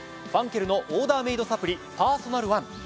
ファンケルのオーダーメイドサプリパーソナルワン。